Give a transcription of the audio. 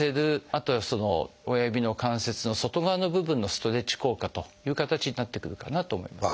あとは親指の関節の外側の部分のストレッチ効果という形になってくるかなと思います。